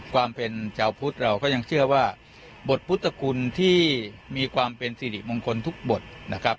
ความเป็นชาวพุทธเราก็ยังเชื่อว่าบทพุทธคุณที่มีความเป็นสิริมงคลทุกบทนะครับ